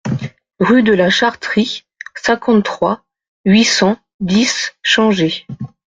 Rue de la Chartrie, cinquante-trois, huit cent dix Changé